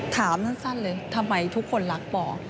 ถามสั้นเลยทำไมทุกคนรักปอ